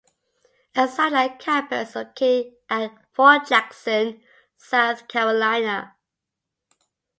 A satellite campus is located at Fort Jackson, South Carolina.